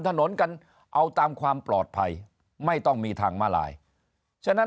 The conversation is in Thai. ถนนกันเอาตามความปลอดภัยไม่ต้องมีทางมาลายฉะนั้น